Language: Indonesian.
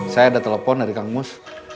saya ada telepon dari kang mus